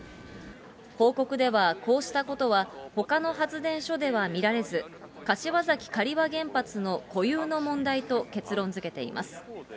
報告では、こうしたことは、ほかの発電所では見られず、柏崎刈羽原発の固有の問題と結論づけています。